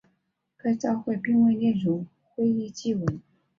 该照会并未列入会议记文。